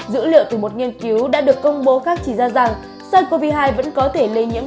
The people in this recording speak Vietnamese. dữ liệu từ một nghiên cứu đã được công bố khác chỉ ra rằng sars cov hai vẫn có thể lây nhiễm